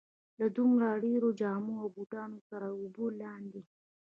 له دومره ډېرو جامو او بوټانو سره تر اوبو لاندې.